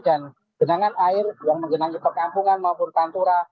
dan benangan air yang mengenangi perkampungan maupun pantura